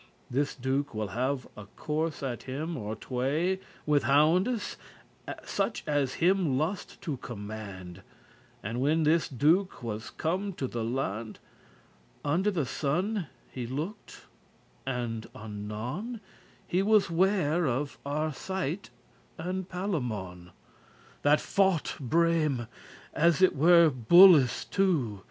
This Duke will have a course at him or tway With houndes, such as him lust* to command. *pleased And when this Duke was come to the laund, Under the sun he looked, and anon He was ware of Arcite and Palamon, That foughte breme*, as it were bulles two.